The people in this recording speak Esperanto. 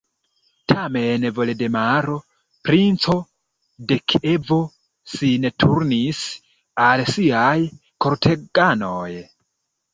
Tiam Voldemaro, princo de Kievo, sin turnis al siaj korteganoj.